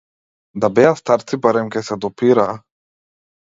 Да беа старци барем ќе се допираа.